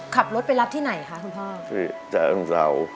ขับรถไปรับที่ไหนคะคุณพ่อ